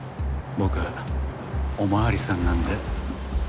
僕お巡りさんなんで。